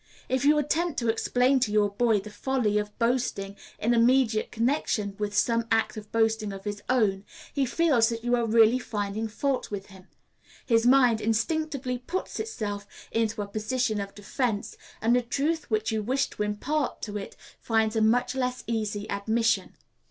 If you attempt to explain to your boy the folly of boasting in immediate connection with some act of boasting of his own, he feels that you are really finding fault with him; his mind instinctively puts itself into a position of defense, and the truth which you wish to impart to it finds a much less easy admission.